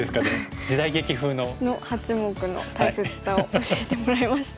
時代劇風の。の八目の大切さを教えてもらいました。